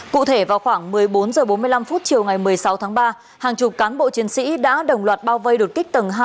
cụ thể vào khoảng một mươi bốn h bốn mươi năm chiều ngày một mươi sáu tháng ba hàng chục cán bộ chiến sĩ đã đồng loạt bao vây đột kích tầng hai